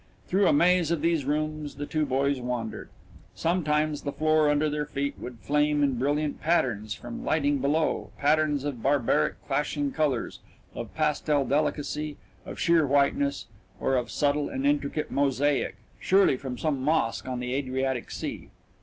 Through a maze of these rooms the two boys wandered. Sometimes the floor under their feet would flame in brilliant patterns from lighting below, patterns of barbaric clashing colours, of pastel delicacy, of sheer whiteness, or of subtle and intricate mosaic, surely from some mosque on the Adriatic Sea.